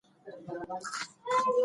هغه باغ چې وکتل شو، شین و.